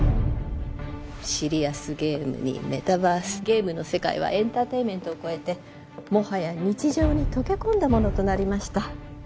シリアスゲームにメタバースゲームの世界はエンターテインメントを超えてもはや日常に溶け込んだものとなりました